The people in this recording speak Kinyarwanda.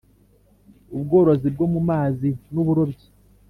ubworozi bwo mu mazi n uburobyi